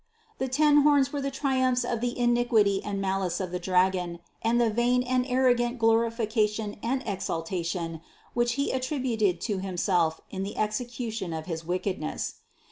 104. The ten horns were the triumphs of the iniquity THE CONCEPTION 101 and malice of the dragon, and the vain and arrogant glorification and exaltation which he attributed to him self in the execution of his wickedness.